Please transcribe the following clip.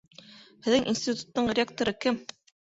Һеҙҙең институттың ректоры кем?